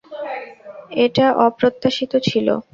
এটা অপ্রত্যাশিত ছিলো।